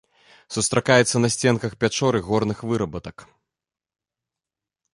Сустракаецца на сценках пячор і горных вырабатак.